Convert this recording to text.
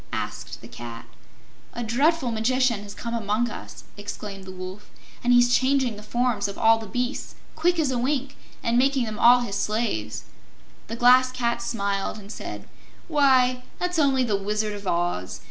asked the Cat. "A dreadful Magician has come among us!" exclaimed the Wolf, "and he's changing the forms of all the beasts quick as a wink and making them all his slaves." The Glass Cat smiled and said: "Why, that's only the Wizard of Oz.